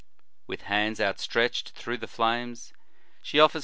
With hands outstretched through the flames, she offers * Hist, eccl.